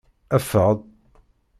Ffeɣ-d.